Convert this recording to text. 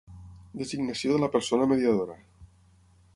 Designació de la persona mediadora.